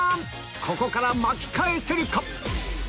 ここから巻き返せるか？